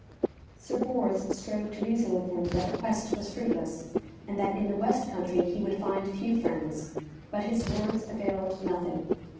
Sir Bors strove to reason with him that the quest was fruitless, and that in the west country he would find few friends; but his words availed nothing.